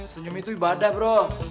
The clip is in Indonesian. senyum itu ibadah bro